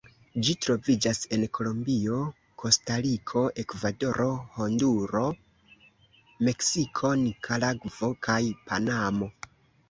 Ĝi troviĝas en Kolombio, Kostariko, Ekvadoro, Honduro, Meksiko, Nikaragvo kaj Panamo.